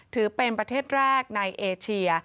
ถือเป็นประเทศแรกในเอเชีย